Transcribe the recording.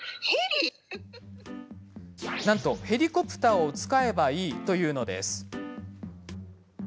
なんと、ヘリコプターを使えばいいというのです。